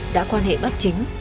đã quan hệ bất chính